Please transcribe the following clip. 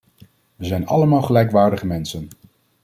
Wij zijn allemaal gelijkwaardige mensen.